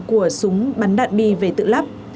của súng bắn đạn bi về tự lắp